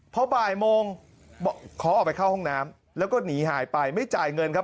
พอบ่ายโมงขอออกไปเข้าห้องน้ำแล้วก็หนีหายไปไม่จ่ายเงินครับ